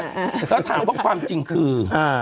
แล้วถามว่าความจริงคือ